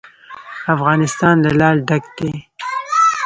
افغانستان له لعل ډک دی.